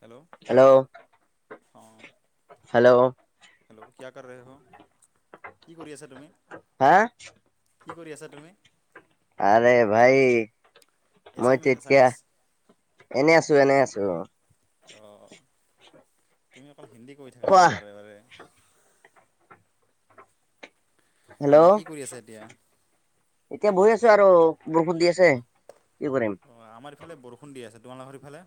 Hello hello অঁ hello hello কিয়া কৰ ৰহে হ কি কৰি আছা তুমি হা কি কৰি আছা তুমি আৰে ভাই মই এছামিছ তেতিয়া এছামিছ এনে আছো এনে আছো অ অ তুমি অকল হিন্দী কৈ থকা কোৱা ন বাৰে বাৰে হেল্ল এনে কি কৰি আছা এতিয়া এতিয়া বহি আছো আৰু বৰষুধ দি আছে কি কৰিম অ আমাৰ এইফালে বৰষুণ দি আছে তোমালোকৰ সেইফালে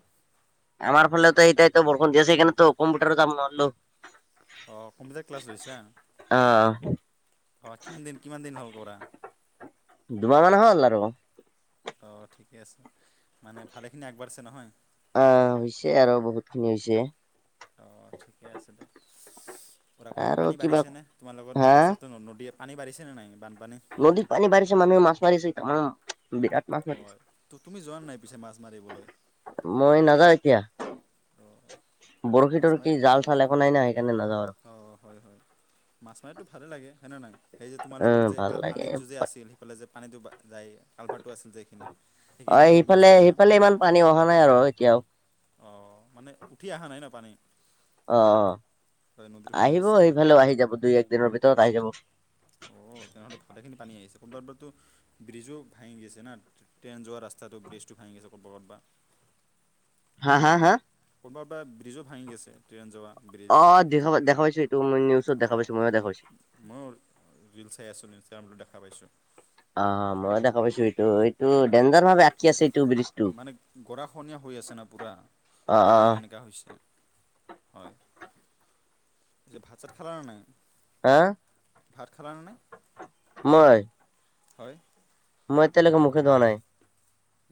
আমাৰ ফালেতো এতিয়া বৰষুণ দিয়া সেইকাৰণেতো কম্পিউটাৰো যাব নোৱাৰলো অ কম্পিউটাৰ ক্লাছ লৈছা অ অ কিমান দিন কিমান দিন হ'ল কৰা দুমাহ মান হ'ল আৰু অ ঠিকে আছে মানে ভালেখিনি আগবাঢ়িছে নহয় অ হৈছে আৰু বহুত খিনি হৈছে অ ঠিকে আছে দে কৰা কৰা আৰু পানী কিবা বাঢ়িছেনে হা তোমালোকৰ ওচৰত নদীয়ে পানী বাঢ়িছে নাই বানপানী নদীৰ পানী বাঢ়িছে মানুহ মাছ মাৰিছে তামাম বিৰাত হয় তু তুমি যোৱা নাই পিছে মাছ মাৰিবলৈ মই নাযাওঁ এতিয়া অঁ বৰশী টৰশী জাল চাল একো নাই না সেইকাৰণে নাযাওঁ আৰু অ হয় হয় মাছ মাৰিতো ভালেই লাগে হয় নে নহয় সেই যে তোমালোকৰ উম যে ভাল আ আলিটোৰ যে লাগে আছিল সেইফালে যে পানীটো যায় কালভাৰটো আছিল যে সেইখিনিত অ সেইখিনিত বহুত মাছ সেইফালে পায় ন? সেইফালে ইমান পানী অহা নাই আৰু এতিয়াও অ মানে উঠি অহা নাই ন পানী অ অ হয় নদীৰ ফালে আহিব আছে। সেই ফালেও আহি যাব দুই এক দিনৰ ভিতৰত আহি যাব অ তেনেহ'লে ভালেখিনি পানী আহিছে কোনোবাৰ কোনোবাটো ব্ৰিজো ভাঙি গৈছে না ট্ৰেইন যোৱা ৰাস্তাটো ব্ৰিজটো ভাঙি গৈছে কতবা কতবা [inaudible] হা হা হা কতবাৰ কতবাৰ ব্ৰিজো ভাঙি গৈছে ট্ৰেইন যোৱা ব্ৰিজ অ দেখ দেখা পাইছোঁ এইটো মই নিউজত দেখা পাইছো ময়ো দেখা পাইছো মই ৰিল চাই আছোঁ ইনষ্টাগ্ৰামটো দেখা পাইছোঁ অ মই দেখা পাইছো এইটো এইটো ডেনজাৰ ভাৱে আঁকি আছে এইটো ব্ৰিজটো মানে গৰাখহনীয়া হৈ আছে না পূৰা অ অ সেইকাৰণে এনেকুৱা হৈছে হয় পিছে ভাত চাত খালা নে নাই হা ভাত খালা নে নে মই হয় মই এতিয়ালৈকে মুখে ধুৱা নাই।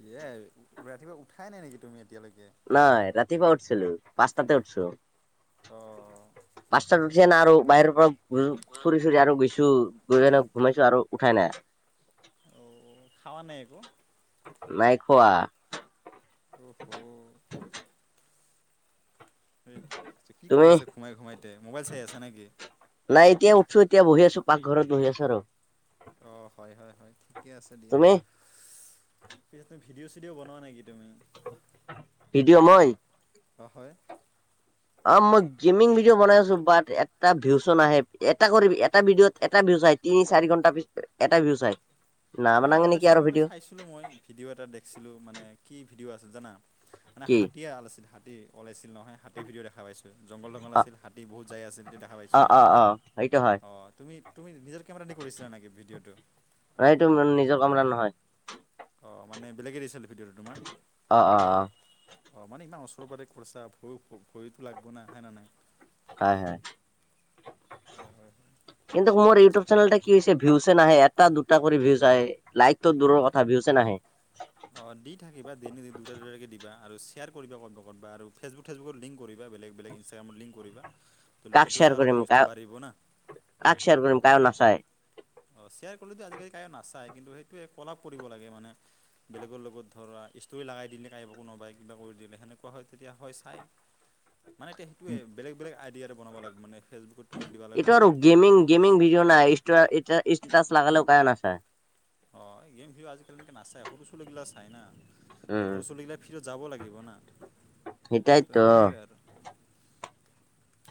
এই ৰাতিপুৱা উঠাই নাই নেকি তুমি এতিয়ালৈকে? নাই ৰাতিপুৱা উঠিছিলোঁ পাঁচটাতে উঠিছোঁ। অ পাঁচটাত উঠি না আৰু বাহিৰৰ পৰা ফুৰি ফুৰি আৰু গৈছোঁ। গৈ কিনে ঘুমাইছো আৰু উঠাই নাই। অঁ খাৱা নাই একো? নাই খোৱা। অ হুম। ত তুমি কৰি আছে ঘুমায় ঘুমায় তে মোবাইল চাই আছা নেকি? নাই এতিয়া উঠোছো এতিয়া বহি আছো পাকঘৰত বহি আছো আৰু। অঁ হয় হয় হয় ঠিকে আছে দিয়া। তুমি পিছত তুমি ভিডিঅ' চিডিঅ' বনোৱা নেকি তুমি? ভিডিঅ' মই। অঁ হয়। অ মই গেমিং ভিডিঅ বনাই আছো বাট এটা ভিউচন আহে এটা কৰি এটা ভিডিঅ'ত এটা ভিউজ আহিছে। তিনি চাৰি ঘণ্টা পিছত এটা ভিউচ চাই না বানঙে নেকি আৰু ভিডিঅ'। দেখিছিলোঁ মই ভিডিঅ' এটা দেখিছিলোঁ মানে কি ভিডিঅ' আছিল জানা মানে কি হাতীয়ে আল আছিল হাতীৰ ওলাইছিল নহয় হাতীৰ ভিডিঅ' খা পাইছো। জংঘল জংঘল অ আছিল হাতী বহুত যায় আছিল সেয়া দেখা পাইছো অ অ অ সেইটো হয় অ তুমি তুমি নিজৰ কেমেৰা দি কৰিছিলা নেকি ভিডিঅ'টো? না এইটো মোৰ নিজৰ কেমেৰা নহয়। অঁ মানে বেলেগে দিছিল ভিডিঅ'টো তোমাক? অ অ অ অঁ মানে ইমান ওচৰৰ পাতেকৰিছা ভৰি ভয়তো লাগব নাই হয়েনে নহয়? হয় হয় হয় হয় হয়। কিন্তু মোৰ ইউটিউব চেনেলটা কি হৈছে ভিউচ নাহে এটা দুটা কৰি ভিউজ আহে লাইকটো দূৰৰ কথা ভিউচে নাহে। অঁ দি থাকিবা দুটা দুটাকৈ দিবা আৰু শ্বেয়াৰ কৰিবা ক'ৰবাত ক'ৰবাত আৰু ফেচবুক ফেচবুত লিংক কৰিবা বেলেগ বেলেগ ইনষ্টাগ্ৰামত লিংক কৰিবা ত' কাক শ্বেয়াৰ তেতিয়াহে কৰিম অলপ ভিউটো বাঢ়িব না। কাক শ্বেয়াৰ কৰিম কোনো নাচাই? অ শ্বেয়াৰ কৰিলেটো আজিকালি কায়ো নাচায় কিন্তু সেইটোৱে কলাপ কৰিব লাগে মানে। বেলেগৰ লগত ধৰা ইষ্টৰি লগাই দিলে কোনোবাই কিবা কৰি দিলে সেনেকুৱা হয় তেতিয়া হয় চাই। [unintelligible] মানে এতিয়া সেইটোৱে বেলেগ বেলেগ আইডিয়াৰে বনাব লাগিব মানে ফেচবুকত তোমাক দিব এইটো লাগিব আৰু গেমিং ই গেমিং নাই ষ্টেটাচ লাগালেও কোনো নাচাই। অ গেম ভিডিঅ আজিকালি এনেকে নাচায় সৰু ছোৱালী বিলাকক চাই না। উম সৰু ছোলিবিলাক ফিৰত যাব লাগিব না। ত' সেইটাইতো। সেইটোৱে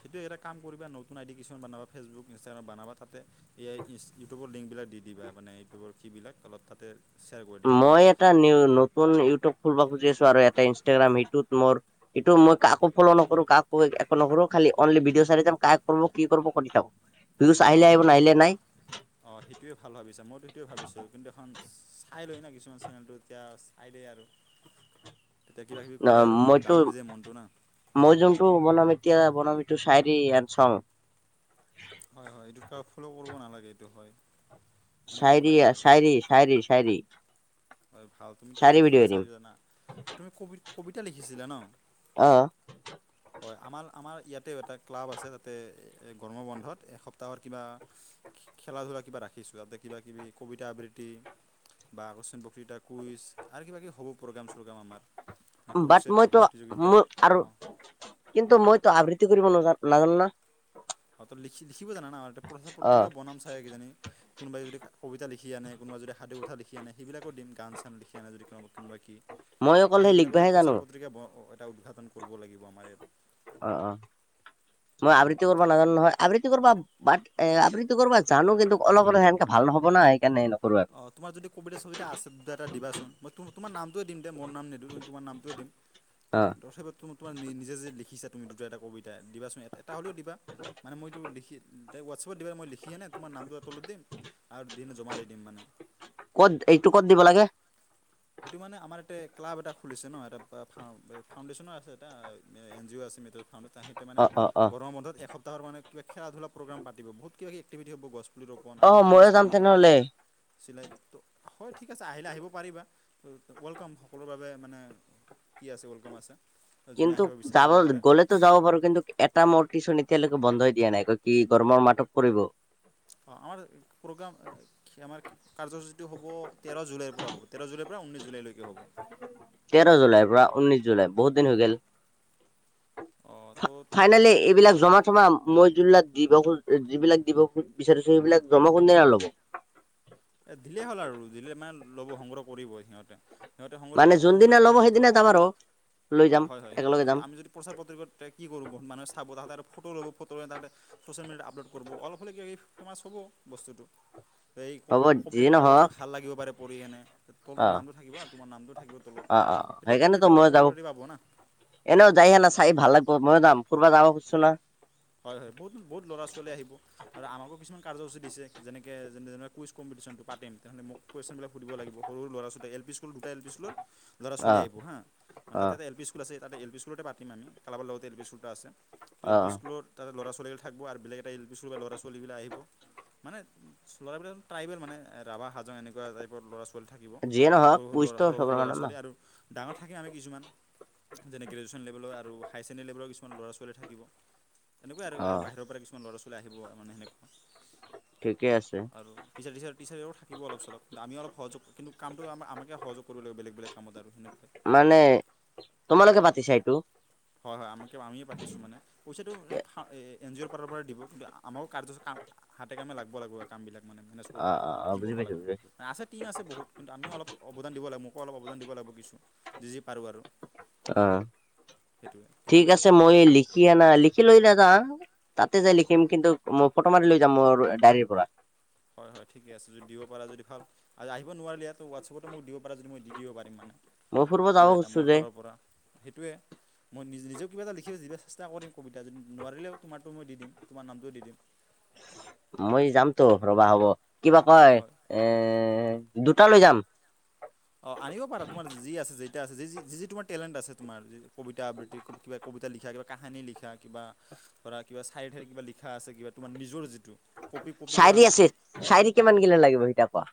সেইটো এটা কাম কৰিবা নতুন আইডি কিছুমান বনাব ফেচুবুকন ষ্টিটাগ্ৰামত বনাবা তাতে এই ইউটিউবৰ লিংকবিলাক দি দিবা মানে ইউটিউবৰ কিবিলাক অলপ তাতে শ্বেয়াৰ কৰি দিবা ত' মই এটা নিউ নতুন ইউটিউব ফুলব খুজি আছো আৰু এটা ইনষ্টাগ্ৰাম সেইটোত মোৰ সেইটো মই কাকো ফলো' নকৰো কাকো একো নকৰো খালি অনলি ভিডিঅ' চাই যাম কাক কৰিব কি কৰিব কৰি থাকক। ভিউজ আহিলে আহিব নাহিলে নাই। অঁ সেইটোৱে ভাল ভাবিছে মইতো সেইটোৱে ভাবিছোঁ কিন্তু এখন চাই লৈ না কিছুমান চেনেলটো এতিয়া চাই দেই আৰু। তেতিয়া কিবা কিবি ক'লে আৰু মইতো ডাউন হৈ যায় মনটো না। মই যোনটো বনাম এতিয়া, বনামিটো চাইৰি আৰু চং। হয় হয় এইটো কাকৈ ফল' কৰিব নালাগে এইটো হয়। সেনেকৈ বনাব চাইৰিয়া লাগে চাইৰি চাইৰি চাইৰি। হয় ভাল তুমিতো ভালে চাইৰি জানা, তুমি কবি কবিতা লিখিছিলা ন? অঁ। [inaudible] হয় আমাৰ আমাৰ ইয়াতেও এটা ক্লাব আছে তাতে গৰম বন্ধত এসপ্তাহৰ কিবা খেলা ধূলা কিবা ৰাখিছো যাতে কিবা কিবি কবিতা আবৃত্তি বা আকস্মিক বক ক্তৃতা, কুইজ আৰু কিবাকিবি হ'ব প্ৰগ্ৰাম চগ্ৰাম আমাৰ। বাট ক্ৰচেট মইতো প্ৰতিযোগিতা মোৰ আৰু অঁ কিন্তু মইতো আবৃত্তি কৰিব নাজানো না। অ ত লখি লিখিব জানা না আৰু টো প্ৰচাৰ অ পত্ৰিকা বনাম চাগে কিজানি। কোনোবাই যদি কবিতা লিখি আনে, কোনোবাই যদি সাধু কথা লিখি আনে, সেইবিলাকো দিম গান চান লিখি আনে যদি কোনোবা কোনোবাই কি মই ত' অকল সেই সেইবিলাকৰ লিখবাহে জানো প্ৰচাৰ পত্ৰিকা এটা উদ্ঘাটন কৰিব লাগিব আমাৰ ইয়াত। অ অ মই আবৃত্তি কৰিব নাজানো নহয়, আবৃত্তি কৰবা বাট এ আবৃত্তি কৰবা জানো কিন্তু অলপ অলপ সেনেকে ভাল হ'ব না সেইকাৰণে নকৰো আৰু অ তোমাৰ যদি কবিতা ছবিতা আছে এটা দিবাচোন মই তোমাৰ নামটোৱে দিম দে মোৰ নাম নি তোমাৰ নামটোৱে দিম, অ তথাপি তোমাৰ নিজে যে লিখিছা তুমি দুটা এটা কবিতা দিবা এটা হ'লেও দিবা মানে মইটো লিখি ত হোৱাটছআপত দিবা মই লিখিহেনে তোমাৰ নামটো তলত দিম আৰু দিনে জমা দি দিম মানে। ক'ত এইটো ক'ত দিব লাগে? এইটো মানে আমাৰ এটা ক্লাব এটা খুলিছে ন এটা ফাউণ্ডেশ্যনৰ আছে এটা এন জি অ' আছে এইটো ফাউণ্ডেশ্য তাহহঁ মানে অ অ অ গৰম বন্ধত এক এপ্তাহৰ মানে কিবা খেলা ধূল প্ৰগ্ৰেম পাতিব, বহুত কিবা কিবি এক্টিভিতী হব গছ অ ময়ো যাম তেনেহ'লে। চিলাই তো, হয় ঠিক আছে আহিলে আহিব পাৰিবা। ত' ৱেলকাম সকলোৰে বাবে মানে কি আছে ৱেলকাম আছে। যোনে কিন্তু আহিব বিচাৰে যাব আহিব পাৰে গ'লেতো যাব পাৰো কিন্তু এটা মোৰ টিউচন এতিয়ালৈকে বন্ধই দিয়া নাই কয় কি গৰমৰ মাহটো কৰিব। অঁ আমাৰ প্ৰ'গ্ৰাম কি আমাৰ কাৰ্যসূচীটো হ'ব তেৰ জুলাইৰ পৰা হ'ব, তেৰ জুলাইৰ পৰা ঊনৈছ জুলাইলৈকে হ'ব। তেৰ জুলাইৰ পৰা ঊনৈশ জুলাই বহুত দিন হৈ গে'ল। অঁ ত' তাত ফাইনেলি এইবিলাক জমা থমা মই জোনবিলাক দিব খোজোঁ যিবিলাক দিব খুজি বিচাৰিছো সেইবিলাক জমা কোনদিনা ল'ব? এই দিলেই হ'ল আৰু দিলে মানে ল'ব সংগ্ৰহ কৰিব সিহঁতে। সিহঁতে সংগ্ৰহ মানে কৰিব যোনদিনা ল'ব সিহঁতৰ ধ, সেইদিনা যাম আৰু লৈ অঁ যাম হয় হয় সিহঁতৰ একেলগে যদি যাম আমি যদি প্ৰচাৰ পত্ৰিকত কি কৰোঁ বহুত মানুহে চাব তাহাঁতে ফটো ল'ব ফটো লৈ তাহাঁতে ছ'চিয়েল মিডিয়াত আপলোড কৰিব, অলপ হ'লে কি এই ফেমাছ হ'ব বস্তুটো, সেই হ'ব যি কবিতাটো কাবাৰ যদি নহওক ভাল লাগিব পাৰে পঢ়ি কেনে অ তলটোৰ নামটো থাকিব না তোমাৰ নামটো থাকিব তলত, অ অ তেতিয়া সেইকাৰণেতো কবিতাটো অলপ মই যাব পপুলাৰিটি পাব না। এনেও যায়হেনা চাই ভাল লাগব, ময়ো যাম ফুৰব যাব খুজিছো না। হয় হয় বহুত বহুত ল'ৰা ছোৱালী আহিব। আৰু আমাকো কিছুমান কাৰ্যসূচী দিছে যেনেকে যেনে কুইজ কম্পিটিশ্যনটো পাতিম তেনেহ'লে মোক কুইশ্যনবিলাক সুধিব লাগিব সৰু ল'ৰা ছোৱালী, এল পি স্কুল দুটা এল পি স্কুলৰ ল'ৰা অ ছোৱালী আহিব হা, মানে অ তাতেটা এল পি ইচ স্কুল আছে তাতেই এল পি স্কুলতে পাতিম আমি, ক্লাবৰ লগতে এল পি স্কুল এটা আছে ত অ এল পি স্কুলৰ তাতে ল'ৰা ছোৱালীবিলাক থাকব আৰ বেলেগ এটা এল পি স্কুলৰ পৰা ল'ৰা ছোৱালীবিলাক আহিব। মানে ল'ৰাবিলাক ট্ৰাইবেল মানে ৰাভা হাজং এনেকুৱা টাইপৰ ল'ৰা ছোৱ বল থাকিব যিয়ে নহওক সৰু সৰু ল'ৰা পুইচটো সৰু সৰু চবৰ ল'ৰা মানুহ না ছোৱালী আৰু ডাঙৰ থাকে আৰু কিছুমান যেনে গ্ৰেজুৱেশ্যন লেভেলৰ আৰু হাই চেকেণ্ডেৰী লেভেলৰ কিছুমান ল'ৰা-ছোৱালী থাকিব। তেনেকুৱাই আৰু অ আৰু বাহিৰৰ পৰা কিছুমান ল'ৰা ছোৱালী আহিব আৰু মানে সেনেকুৱা। ঠিকে আছে। আৰু টিচাৰ, টিচাৰ টিচাৰেও থাকিব অলপ চলপ, আমি অলপ সহযোগ কৰিম কিন্তু, কামটো আম আমাকে সহযোগ কৰিব লাগিব বেলেগ বেলেগ কামত আৰু তেনেকুৱাই মানে তোমালোকে পাতিছা এইটো? হয়, হয়, আমাকে আমিয়ে পাতিছোঁ মানে, পইচাটো শা এ, এই এন জি অ'ৰ ফালৰপৰা দিব কিন্তু, আমাৰো কাৰ্য আছে, কাম হাতে কামে লাগব লাগিব আৰু কামবিলাক মানে মেনেজ কৰোঁ, অ অ অ কি বুজি কৰবা পাইছো লাগব, বুজি পাইছো আছে টিম আছে বহুত কিন্তু আমিও অলপ অৱদান দিব লাগিব, মোকো অলপ অৱদান দিব লাগব কিছু, যি যি পাৰোঁ আৰু। অ', সেইটোৱে তো ঠিক মানে আছে মই লিখ খি আনা, লিখি লৈ নাযাওঁ, তাতে যাই লিখিম কিন্তু, মই ফটো মই মাৰি লৈ যাম, মোৰ ডায়েৰীৰ পৰা। হয়, হয়, ঠিকে আছে, যদি দিব পাৰা যদি ভাল। আৰু আহিব নোৱাৰিলে ইয়াতো, ওৱাটচ এপতে মোক দিব পাৰা যদি মই দি দিব পাৰিম মানে। মই ফুৰিব যাব কিবা এটা খুজছো যে মোৰফালৰ পৰা, সেইটোৱে। মই নিজ নিজেও কিবা এটা লিখিব [unintelligible] চেষ্টা কৰিম, কবিতা, যদি নোৱাৰিলেও তোমাৰটো মই দিম, তোমাৰ নামটোও দি দিম। মই যামতো, ৰ'বা হ'ব, কিবা কয়? হয় এ, দুটা লৈ যাম। অ', আনিব পাৰা, তোমাৰ যি আছে, যেইটা আছে যি যি যি যি তোমাৰ টেলেণ্ট আছে তোমাৰ, কবিতা আবৃত্তি ক'ব কিবা কবিতা লিখা, কিবা কাহিনী লিখা, কিবা ধৰা কিবা চায়েৰী তায়েৰী কিবা লিখা আছে, কিবা তোমাৰ নিজৰ যিটো। কপি কপি কৰা চায়েৰী আছে, নহয় চায়েৰী কিমান গিলা লাগিব সেইটা কোৱা?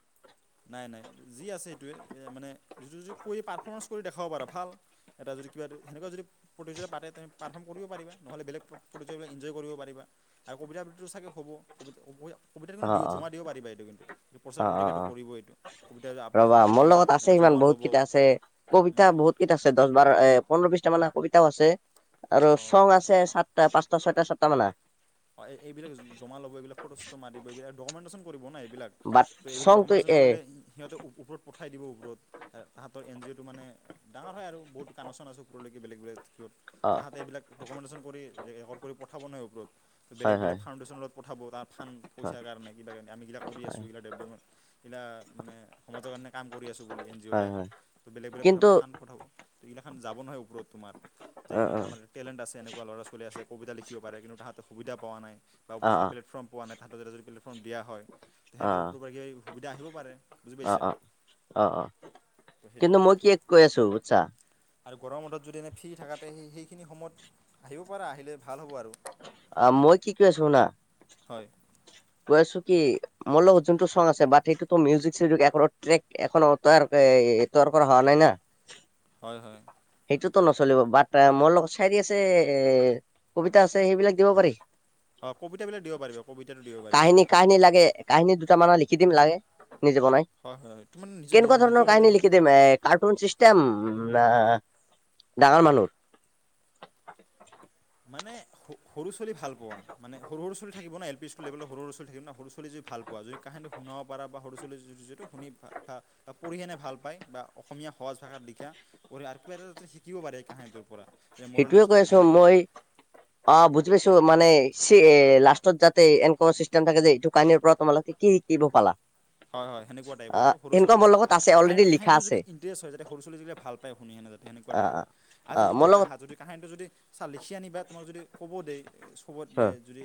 নাই, নাই, যি আছে সেইটোৱে, এই মানে যিটো কৰি পাৰফৰ্মেঞ্চ কৰি দেখাব পাৰ ভাল এটা যদি কিবা তুমি সেনেকুৱা যদি প্ৰতিযোগিতা পাতে তুমি পাৰফৰ্ম কৰিব পাৰিবা, নহ'লে বেলেগ প প্ৰতিযোগিতাবিলাক এনজয় কৰিব পাৰিবা। আৰু কবিতা আবৃত্তি চাগে হ'ব, কবিতা কবিতা কবিতাৰ অ কিন্তু, দিব অ জমা দিব পাৰিবা, এইটো কিন্ত, প্ৰচাৰ অ অ পত্ৰিকাটো অ কৰিব এইটো কবিতা আবৃত্তি ৰ'বা, যদি কৰি মোৰ আনচাৰ লগত আছে, ইমান জমা ল'ব বহুত কেইটা আছে, কবিতা উম, বহুত [unintelligible] আছে, দশ বাৰ এ, পোন্ধৰ, বিশটা মান কবিতাও আছে আৰু অঁ চং আছে চা টা, পাঁচটা, ছয়টা, সাতটা মানা হয়, এইবিলাক জমা ল'ব, এইবিলাক ফটো চটো মাৰিব, এইবিলাক ডকুমেণ্টেশ্যন কৰিব ন' এইবিলাক। বাট তো এইবিলাক চংটো ডকুমেণ্টেশ্যন এ কৰিলে, সিহঁতেও ওপৰত পঠাই দিব ওপৰত, এই তাঁহাতৰ এন জি অ'টো মানে ডাঙৰ হয় আৰু বহুত কানেকশ্যন আছে, ওপৰলৈকে বেলেগ বেলেগ থাকিব। অ তাহাঁতে এইবিলাক ডকুমেণ্টেশ্যন কৰি, ৰেকৰ্ড কৰি পঠাব নহয় ওপৰত। তো বেলেগ হয় বলেগ হয় ফাউণ্ডেশ্যন লগত পঠাব, তাৰ ফাণ্ড, হয় পইচা কাৰণে, কিবা কাৰণে, আমি কিবা কৰি আছোঁ, হয় এইগিলাক ডেভলপমেন্ট গিলা মানে, সমাজৰ কাৰণে কাম কৰি আছোঁ বুলি, এন জি অ' হয় তে। হয় তো বেলেগ বেলেগ ফা কিন্তু ফাণ্ডত পঠাব, তো এইগিলাখন যাব নহয় ওপৰত তোমাৰ, যে অ ই অ আমাৰ টেলেণ্ট আছে, এনেকুৱা ল'ৰা-ছোৱালী আছে, কবিতা লিখিব পাৰে কিন্তু, তাহাঁতে সুবিধা পোৱা নাই। বা অ উপযুক্ত প্লেটফৰ্ম পোৱা নাই, তাহাঁতক যদি প্লেটফৰ্ম দিয়া হয়। অ সেনকে ওপৰৰ পৰা কিবা-কিবি সুবিধা আহিব পাৰে, বুজি অ পাইছা? অ অ অ', তো কিন্তু, সেইটোৱে মই কি কৈ আছোঁ বুজছা? আৰু গৰম বন্ধত যদি এনে ফ্ৰী থাকা, তে, হে সেইখিনি সময়ত আহিব পাৰা, আহিলে ভাল হ'ব আৰু। আ, মই কি কৈ আছোঁ শুনা। হয়। কৈ আছোঁ কি মোৰ লগ যোনটো চং আছে বাট, সেইটোতো মিউজিক চিউজিক একোটো ট্ৰেক, এখনো তৈয়াৰ ক এই তৈয়াৰ কৰা হোৱা নাই না। হয়, হয়। সেইটোতো নচলিব বাট, মোৰ লগত চায়েৰী আছে, এ কবিতা আছে সেইবিলাক দিব পাৰি। অ, কবিতাবিলাক দিব পাৰিবা। কবিতাটো দিব পাৰিবা। কাহিনী কাহিনী লাগে? কাহিনী দুটা মানৰ লিখি দিম লাগে, নিজে বনাই। হয় হয় হয় তোমাৰ নিজৰ কেনেকুৱা ধৰণৰ নিজৰ হ'লে কাহিনী হয় লিখি দিম? এক কাৰ্টুন চিষ্টেম, নে ডাঙৰ মানুহ? মানে সৰু ছোৱালী ভাল পোৱা, মানে সৰু ছোৱালি থাকিব ন এল পি স্কুল যিবিলাক ঘৰৰ ওচৰত থাকে ন সৰু চুলি যই ভাল পোৱা যদি কাহিনীটো শুনাব পাৰ বা সৰু ছোৱালী যিটো শুনি ভ বা পৰিকেনে ভাল পায় বা অসমীয়া সহজ ভাষাত লিখা। পঢ়ি আৰু কিবা এটাটো শিকিব পাৰে কাহিনীটো পৰা মৰেল সেইটোয়ে কৈ ষ্ট'ৰী আছো যেনেকৈ মই অ', বুজি পাইছো মানে এ লাষ্টত যাতে এনেকুৱা চিষ্টেম থাকে যে, এইটো কাৰনে পৰা তোমালোকে কি কি বোৰ পালা। হয় হয় সেনেকুৱা টাইপৰ আহ আৰু সৰু সেনেকুৱা ছোৱালী। মোৰ লগত আৰু আছে অলৰেডি লিখা কাঁহ-কাহিনীটো আছে যদি ইটাৰেষ্ট হয় যাতে সৰু ছোৱালী যুটীয়া ভাল পায় শুনিনে যাতে সনেকুৱা অ টাইপৰ। অ অ আজি জ্যোতি মোৰ লগত আহা যদি কাহিনীটো যদি চা লিখি আনিবা তোমাক যদি ক'ব দেই চবত অ দে অ যদি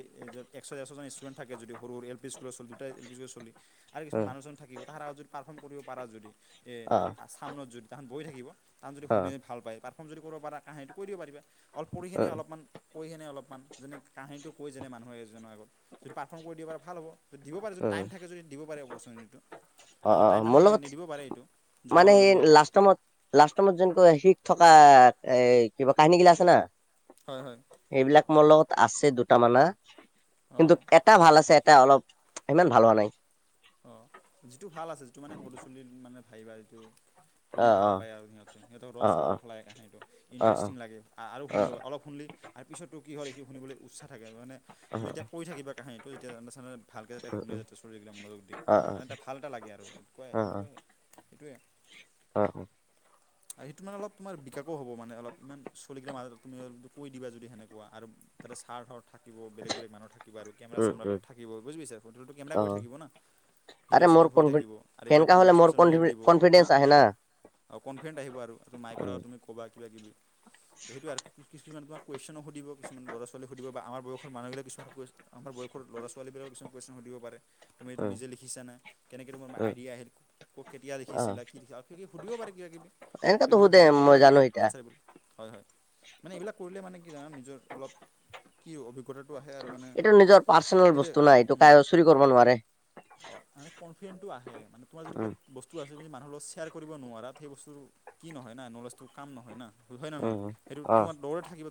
[unintelligible] ষ্টুডেণ্ট থাকে যদি সৰু সৰু এল পি স্কলাৰ দুটাই এল পি স্কুলাৰ কিছুমান মানুহ থাকিব তাৰ যদি পাৰ্ফৰ্ম কৰিব পাৰা যদি, এই অ চামনত যদি তাহত বহি থাকিব। তাত যদি অ শুনি ভাল পায় পাৰফৰ্ম যদি কৰিব পাৰা কাহিনীটো কৈ দিব পাৰিবা, অল কৰী কিনে অলপমান কৈ কিনে অলপমান যেনে কাহিনীটো কৈ যেনে মানুহে এজনৰ আগত, যদি পাৰফৰ্ম কৰি দিব পাৰে ভাল হ'ব। দিব পাৰে যদি অ টাইম থাকে যদি দিব পাৰে অপৰচুনিটিটো। অ', আৰু অ', টাইম অ', মোৰ নাথাকে লগত, নিদিব পাৰে এইটো জমা মানে লৈ ল'ব সেই অকল লাষ্ট টাইমত লাষ্ট টাইমত যেনকৈ এচিত থকা এ কি কাহানী গিলা আছে না। হয় হয়। এইবিলাক মোৰ লগত আছে দুট মানা, অঁ কিন্তু এ এটা ভাল আছে, এটা অলপ ইমান ভাল হোৱা নাই। অ', যিটো ভাল আছে যিটো মানে [unintelligible] মানুহ ভাবিব আৰু এটো শুনি অ ভাল পায় আৰু সিহঁতে, সিহঁতক অ অ ৰস ৰস লাগে কাহানীটো। অ অ ইণ্টাৰেষ্টিং লাগে আৰু অ শুনিব অলপ শুনিলে আৰু পিছতো কি হয় এ শুনিবলে উচ্চ থাকে হেয় মানে, অ অ তুমি যেতিয়া কৰি থাকিবা কাহিনীটো যেতিয়া আন্ধাৰ আন্ধাৰত ভালকৈ যাতে শুনে উম যতে ষ্টৰী বিলাক মুনুজুগদি, অ অ কাৰণ এটা ভাল এটা লাগে আৰু একুৱা অ এনেকুৱা। সেইটোৱে। অ', অ'। [inaudible] আৰু সেইটো মানে অলপ তোমাৰ বিকাবো হ'ব মানে অলপ ইমান চলিগ মাজত তুমি কৈ দিবা যদি সেনেকুৱা আৰু। তাতে সাৰ্থৰ থাকিব বেলেগ বেলেগ মানুহ থাকিব আৰু কেমেৰা উম উম চেমৰা থাকিব বুজি পাইছা, ফটোটো কেমেৰা অ কৰি থাকিব ন। আৰে ভিডিঅ' মোৰ চিডিঅ' হৈ কনফি থাকিব, আৰু এইবিলাক সেনেকা ভিডিঅ' হলে বিলাক মোৰ ছ'চিয়েল কন মিডিয়াত দিব, হা। কনফিডেন্স আহে না অ', কনফিডেণ্ট আহিব আৰু ত মিকৰ উম আগত তুমি ক'বা কিব কিবি, সেইটো আৰু কিুমানোম বা কৈছেনো খুদ দিব কিুমান ল'ৰা, ছোৱালী সুধিব বা আমাৰ বয়সৰ মানুহ বিলাক কিছুমান কৈছ আমাৰ বয়সৰ ল'ৰা, ছোৱালী বিলাক কিছুমান কৈছেনো সধিব পাৰে, তুমি এইটো উম নিজে লিখ দেখিছা নে কেনেকৈ তোমাৰ উম আইডিয় আহিল কক কেতিয়া অ দেখিছিলা কি, আৰু কিবা কিবি সুধিব পাৰে কিবা কিবি। এনেকাতো সেইবিলাক সোধে ভালেই ক'ব মই লাগিব জানো এতিয়া আঞ্চেৰবোৰ হয় হয়, মানে এইবিলাক কৰিলে মানে কি জানাম নিজৰ অলপ কি অভিজ্ঞতাটো আহে আৰু মানে এইটো নিজৰ পাৰ্চনেল সেইটোৱে বস্তু না, এইটো কাই চুৰি কৰিব নোৱাৰে। অ' মানে কনফিডেণ্টটো আহে, মানে তোমাৰ যদি কিবা উম বস্তু আছে যদি মানুহ শ্বেয়াৰ কৰিব নোৱাৰাত সেই বস্তুটো, কি নহয় না নলেজটো কাম নহয় না। হয় না নহয়, উম সেইটো অ তোমাৰ [unintelligible]